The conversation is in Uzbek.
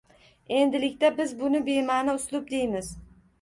Endilikda biz buni bema`ni uslub deymiz